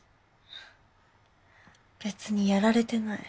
別にやられてない。